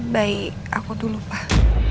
bayi aku dulu pak